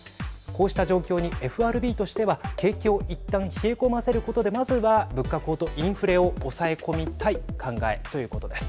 こうした状況にＦＲＢとしては景気をいったん冷え込ませることでまずは物価高騰、インフレを抑え込みたい考えということです。